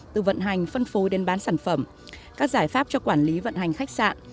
từ vận hành phân phối đến bán sản phẩm các giải pháp cho quản lý vận hành khách sạn